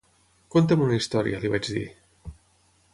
Conta'm una història, li vaig dir.